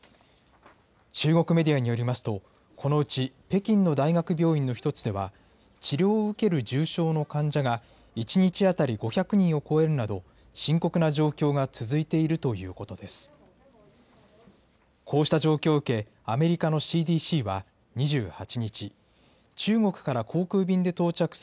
中国メディアによりますと、このうち北京の大学病院の１つでは、治療を受ける重症の患者が、１日当たり５００人を超えるなど、深刻な状況が続いているということです。